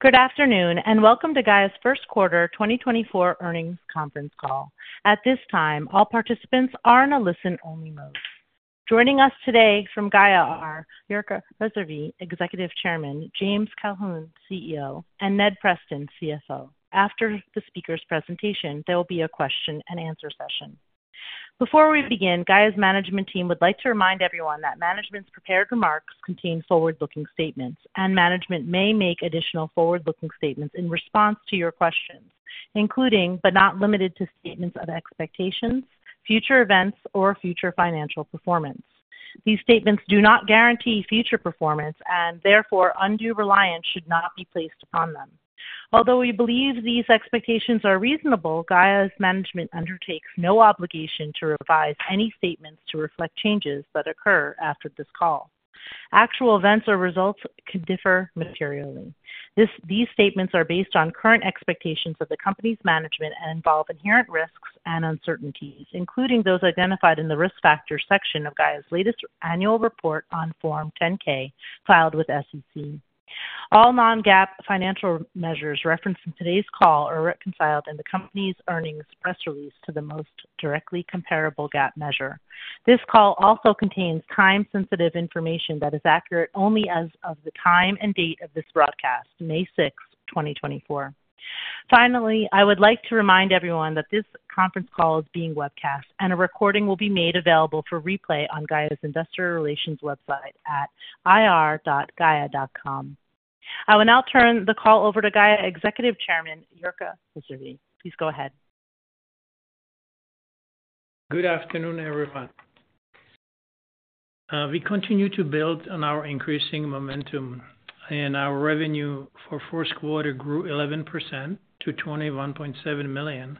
Good afternoon, and welcome to Gaia's first quarter 2024 earnings conference call. At this time, all participants are in a listen-only mode. Joining us today from Gaia are: Jirka Rysavy, Executive Chairman; James Colquhoun, CEO; and Ned Preston, CFO. After the speaker's presentation, there will be a question-and-answer session. Before we begin, Gaia's management team would like to remind everyone that management's prepared remarks contain forward-looking statements, and management may make additional forward-looking statements in response to your questions, including, but not limited to, statements of expectations, future events, or future financial performance. These statements do not guarantee future performance, and therefore, undue reliance should not be placed on them. Although we believe these expectations are reasonable, Gaia's management undertakes no obligation to revise any statements to reflect changes that occur after this call. Actual events or results could differ materially. These statements are based on current expectations of the company's management and involve inherent risks and uncertainties, including those identified in the Risk Factors section of Gaia's latest annual report on Form 10-K, filed with SEC. All non-GAAP financial measures referenced in today's call are reconciled in the company's earnings press release to the most directly comparable GAAP measure. This call also contains time-sensitive information that is accurate only as of the time and date of this broadcast, May 6, 2024. Finally, I would like to remind everyone that this conference call is being webcast, and a recording will be made available for replay on Gaia's Investor Relations website at ir.gaia.com. I will now turn the call over to Gaia Executive Chairman, Jirka Rysavy. Please go ahead. Good afternoon, everyone. We continue to build on our increasing momentum, and our revenue for first quarter grew 11% to $21.7 million,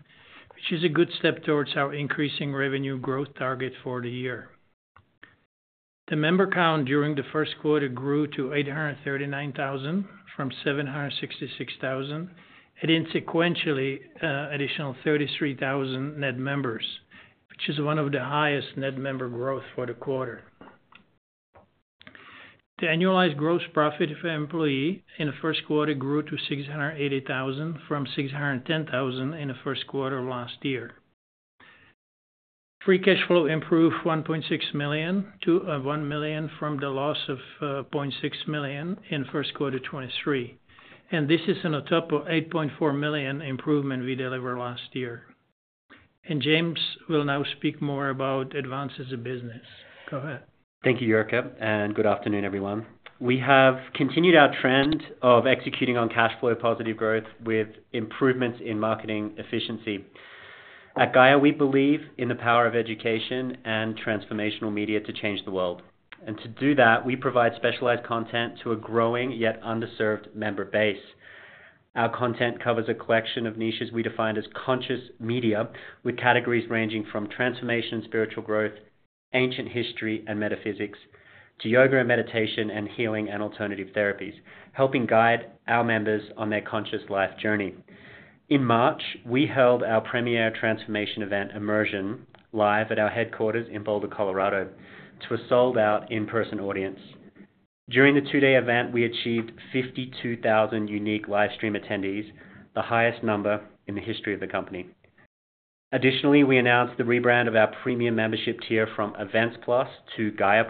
which is a good step towards our increasing revenue growth target for the year. The member count during the first quarter grew to 839,000 from 766,000, adding sequentially additional 33,000 net members, which is one of the highest net member growth for the quarter. The annualized gross profit per employee in the first quarter grew to 680,000 from 610,000 in the first quarter of last year. Free cash flow improved $1.6 million to $1 million from the loss of $0.6 million in first quarter 2023, and this is on top of $8.4 million improvement we delivered last year. James will now speak more about advances in business. Go ahead. Thank you, Jirka, and good afternoon, everyone. We have continued our trend of executing on cash flow-positive growth with improvements in marketing efficiency. At Gaia, we believe in the power of education and transformational media to change the world. And to do that, we provide specialized content to a growing yet underserved member base. Our content covers a collection of niches we defined as conscious media, with categories ranging from transformation, spiritual growth, ancient history, and metaphysics to yoga and meditation and healing and alternative therapies, helping guide our members on their conscious life journey. In March, we held our premier transformation event, Immersion, live at our headquarters in Boulder, Colorado, to a sold-out in-person audience. During the two-day event, we achieved 52,000 unique live stream attendees, the highest number in the history of the company. Additionally, we announced the rebrand of our premium membership tier from Events+ to Gaia+,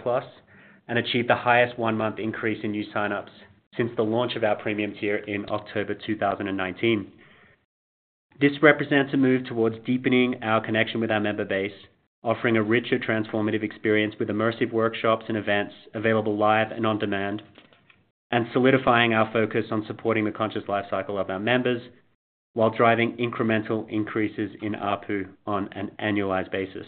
and achieved the highest one-month increase in new signups since the launch of our premium tier in October 2019. This represents a move towards deepening our connection with our member base, offering a richer transformative experience with immersive workshops and events available live and on demand, and solidifying our focus on supporting the conscious life cycle of our members, while driving incremental increases in ARPU on an annualized basis.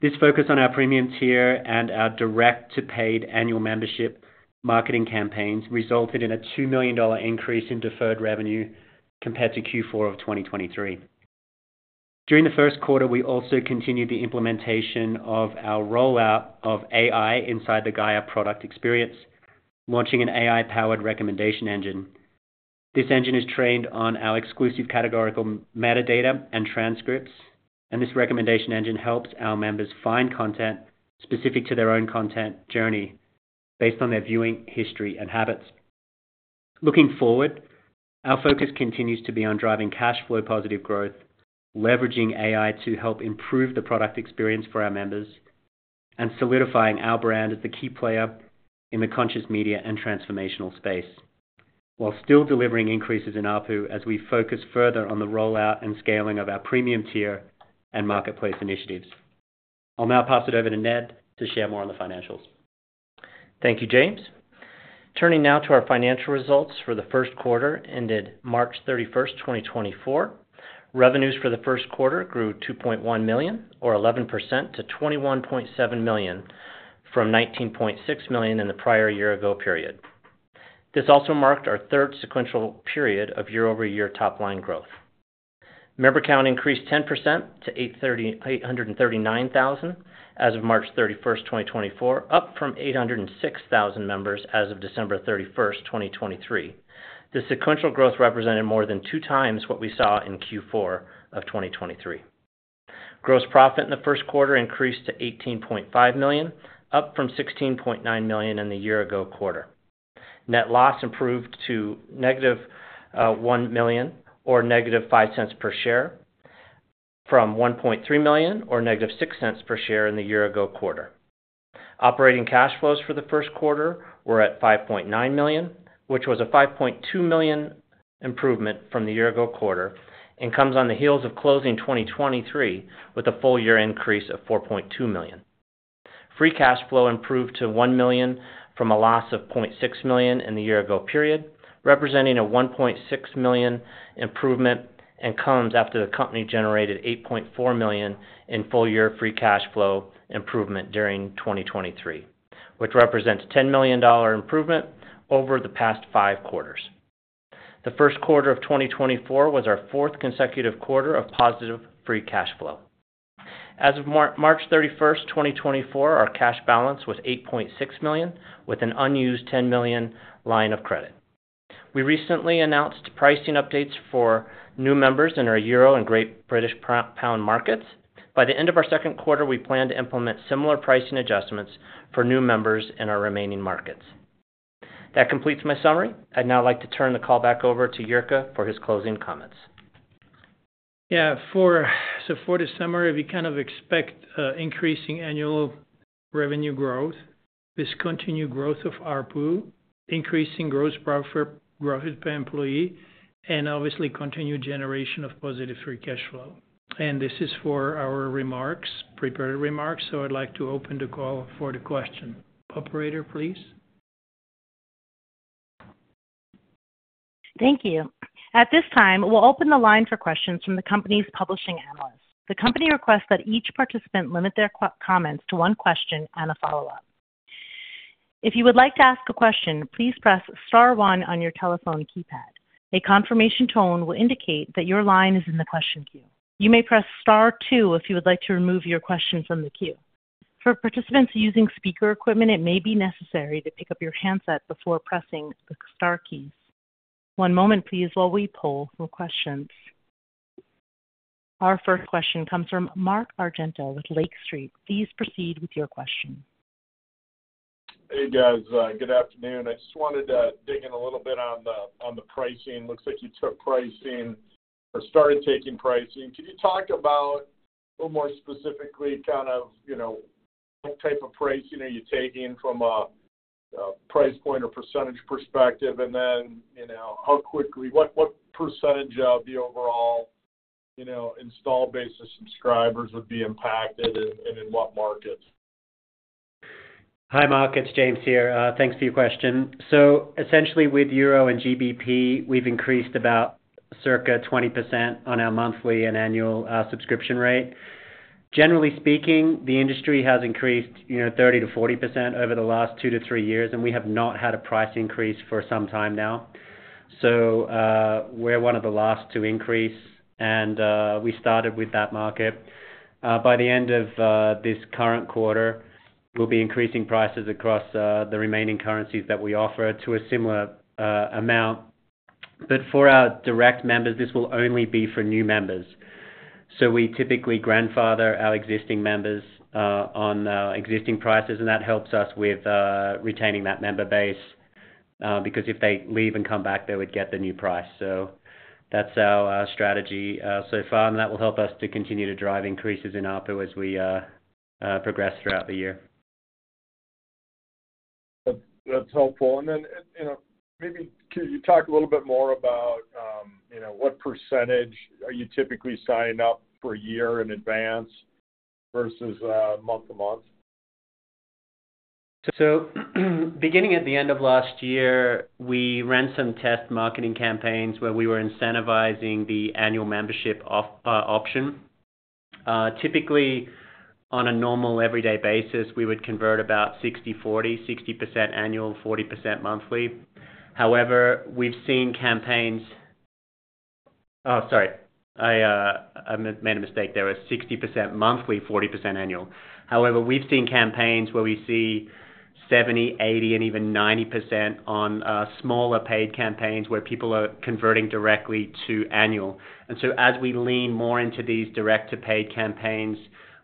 This focus on our premium tier and our direct-to-paid annual membership marketing campaigns resulted in a $2 million increase in deferred revenue compared to Q4 of 2023. During the first quarter, we also continued the implementation of our rollout of AI inside the Gaia product experience, launching an AI-powered recommendation engine. This engine is trained on our exclusive categorical metadata and transcripts, and this recommendation engine helps our members find content specific to their own content journey based on their viewing history and habits. Looking forward, our focus continues to be on driving cash flow positive growth, leveraging AI to help improve the product experience for our members, and solidifying our brand as the key player in the conscious media and transformational space, while still delivering increases in ARPU as we focus further on the rollout and scaling of our premium tier and marketplace initiatives. I'll now pass it over to Ned to share more on the financials. Thank you, James. Turning now to our financial results for the first quarter ended March 31st, 2024. Revenues for the first quarter grew $2.1 million or 11% to $21.7 million from $19.6 million in the prior year-ago period. This also marked our third sequential period of year-over-year top-line growth. Member count increased 10% to 839,000 as of March 31st, 2024, up from 806,000 members as of December 31st, 2023. The sequential growth represented more than two times what we saw in Q4 of 2023. Gross profit in the first quarter increased to $18.5 million, up from $16.9 million in the year ago quarter. Net loss improved to -$1 million, or -$0.05 per share, from $1.3 million, or -$0.06 per share in the year ago quarter. Operating cash flows for the first quarter were at $5.9 million, which was a $5.2 million improvement from the year ago quarter, and comes on the heels of closing 2023 with a full-year increase of $4.2 million. Free cash flow improved to $1 million from a loss of $0.6 million in the year ago period, representing a $1.6 million improvement, and comes after the company generated $8.4 million in full-year free cash flow improvement during 2023, which represents $10 million dollar improvement over the past five quarters. The first quarter of 2024 was our fourth consecutive quarter of positive free cash flow. As of March 31st, 2024, our cash balance was $8.6 million, with an unused $10 million line of credit. We recently announced pricing updates for new members in our Euro and Great British Pound markets. By the end of our second quarter, we plan to implement similar pricing adjustments for new members in our remaining markets. That completes my summary. I'd now like to turn the call back over to Jirka for his closing comments. Yeah, so for the summary, we kind of expect increasing annual revenue growth, this continued growth of ARPU, increasing gross profit growth per employee, and obviously, continued generation of positive free cash flow. And this is for our prepared remarks, so I'd like to open the call for the question. Operator, please? Thank you. At this time, we'll open the line for questions from the company's publishing analysts. The company requests that each participant limit their questions and comments to one question and a follow-up. If you would like to ask a question, please press star one on your telephone keypad. A confirmation tone will indicate that your line is in the question queue. You may press star two if you would like to remove your question from the queue. For participants using speaker equipment, it may be necessary to pick up your handset before pressing the star keys. One moment, please, while we poll for questions. Our first question comes from Mark Argento with Lake Street. Please proceed with your question. Hey, guys, good afternoon. I just wanted to dig in a little bit on the pricing. Looks like you took pricing or started taking pricing. Can you talk about a little more specifically, kind of, you know, what type of pricing are you taking from a price point or percentage perspective? And then, you know, how quickly, what percentage of the overall, you know, installed base of subscribers would be impacted, and in what markets? Hi, Mark, it's James here. Thanks for your question. So essentially, with EUR and GBP, we've increased about circa 20% on our monthly and annual subscription rate. Generally speaking, the industry has increased, you know, 30%-40% over the last 2-3 years, and we have not had a price increase for some time now. So, we're one of the last to increase, and we started with that market. By the end of this current quarter, we'll be increasing prices across the remaining currencies that we offer to a similar amount. But for our direct members, this will only be for new members. So we typically grandfather our existing members on existing prices, and that helps us with retaining that member base, because if they leave and come back, they would get the new price. So that's our strategy so far, and that will help us to continue to drive increases in ARPU as we progress throughout the year. That's, that's helpful. And then, you know, maybe could you talk a little bit more about, you know, what percentage are you typically signing up for a year in advance versus, month to month? So, beginning at the end of last year, we ran some test marketing campaigns where we were incentivizing the annual membership offer option. Typically, on a normal, everyday basis, we would convert about 60/40, 60% annual, 40% monthly. However, we've seen campaigns. made a mistake there. Was 60% monthly, 40% annual. However, we've seen campaigns where we see 70%, 80%, and even 90% on smaller paid campaigns, where people are converting directly to annual. And so as we lean more into these direct-to-paid campaigns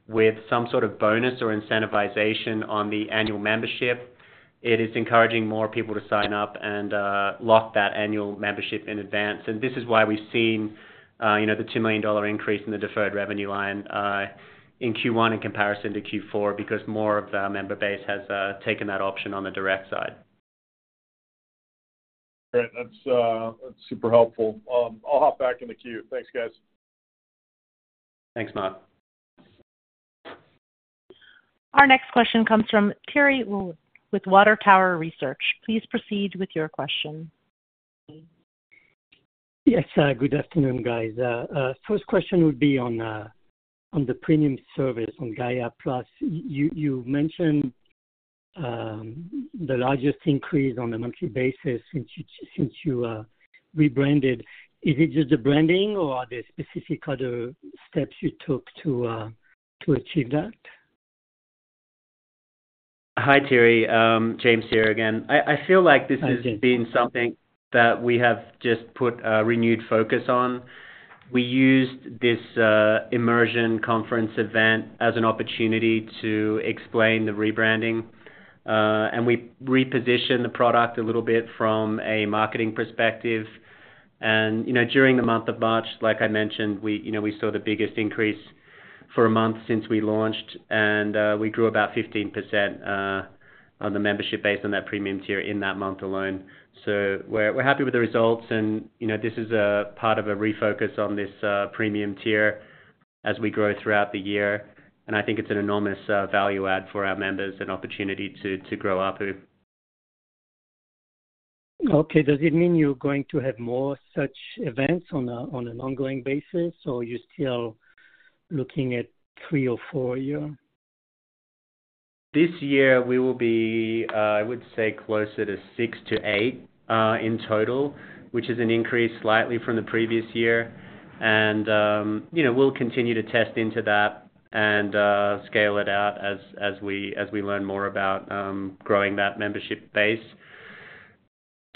with some sort of bonus or incentivization on the annual membership, it is encouraging more people to sign up and lock that annual membership in advance. This is why we've seen, you know, the $2 million increase in the deferred revenue line, in Q1 in comparison to Q4, because more of our member base has taken that option on the direct side. Great. That's super helpful. I'll hop back in the queue. Thanks, guys. Thanks, Mark. Our next question comes from Thierry Wuilloud with Water Tower Research. Please proceed with your question. Yes, good afternoon, guys. First question would be on the premium service on Gaia+. You mentioned the largest increase on a monthly basis since you rebranded. Is it just the branding or are there specific other steps you took to achieve that? Hi, Thierry. James here again. I, I feel like this has been something that we have just put a renewed focus on. We used this Immersion conference event as an opportunity to explain the rebranding. And we repositioned the product a little bit from a marketing perspective. And, you know, during the month of March, like I mentioned, we, you know, we saw the biggest increase for a month since we launched, and we grew about 15% on the membership base on that premium tier in that month alone. So we're, we're happy with the results. And, you know, this is a part of a refocus on this premium tier as we grow throughout the year, and I think it's an enormous value add for our members, an opportunity to, to grow ARPU. Okay. Does it mean you're going to have more such events on an ongoing basis, or you're still looking at three or four a year? This year, we will be, I would say, closer to six to eight in total, which is an increase slightly from the previous year. And, you know, we'll continue to test into that and, scale it out as we learn more about growing that membership base.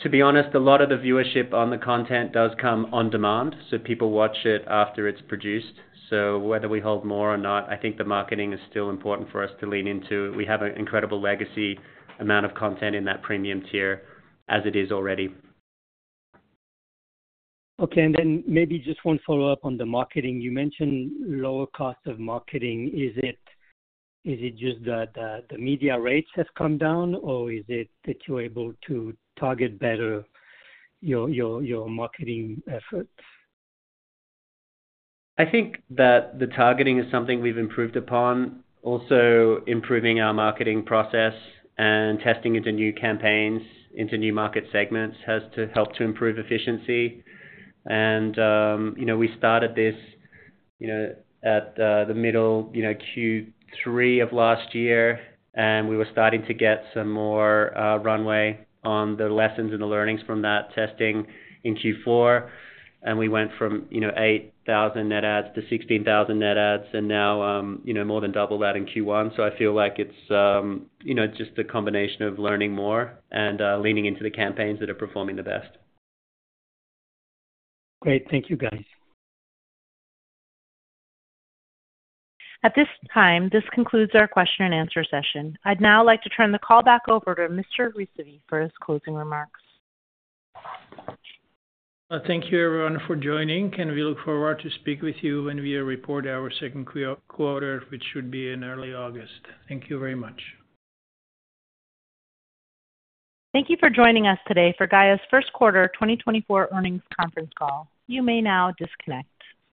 To be honest, a lot of the viewership on the content does come on demand, so people watch it after it's produced. So whether we hold more or not, I think the marketing is still important for us to lean into. We have an incredible legacy amount of content in that premium tier as it is already. Okay, and then maybe just one follow-up on the marketing. You mentioned lower cost of marketing. Is it just that the media rates have come down, or is it that you're able to target better your marketing efforts? I think that the targeting is something we've improved upon. Also, improving our marketing process and testing into new campaigns, into new market segments, has to help to improve efficiency. And, you know, we started this, you know, at the middle, you know, Q3 of last year, and we were starting to get some more runway on the lessons and the learnings from that testing in Q4. And we went from, you know, 8,000 net adds to 16,000 net adds, and now, you know, more than double that in Q1. So I feel like it's, you know, just a combination of learning more and leaning into the campaigns that are performing the best. Great. Thank you, guys. At this time, this concludes our question and answer session. I'd now like to turn the call back over to Mr. Rysavy for his closing remarks. Thank you everyone for joining, and we look forward to speak with you when we report our second quarter, which should be in early August. Thank you very much. Thank you for joining us today for Gaia's first quarter 2024 earnings conference call. You may now disconnect.